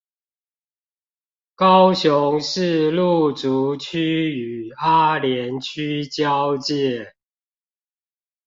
高雄市路竹區與阿蓮區交界